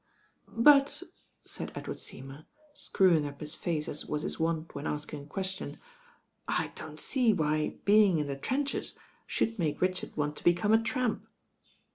*But," said Edward Seymour, screwing up his face as was his wont when asking a question, "I don't see why being in the trenches should make Rii' ird want to become a tramp."